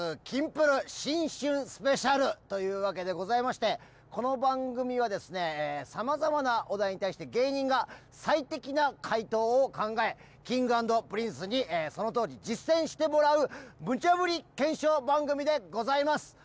キンプる新春スペシャルというわけでございまして、この番組はさまざまなお題に対して芸人が最適な回答を考え、Ｋｉｎｇ＆Ｐｒｉｎｃｅにそのとおり実践してもらう、むちゃぶり検証番組でございます。